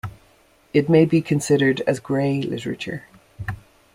It may be considered as grey literature.